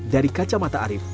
dari kacamata arief